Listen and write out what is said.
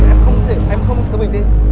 em không thể em không có bình tĩnh